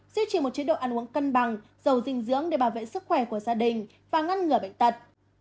giữ chỉ một chế độ ăn uống cân bằng giàu dinh dưỡng để bảo vệ sức khỏe của gia đình và ngăn ngừa bệnh tật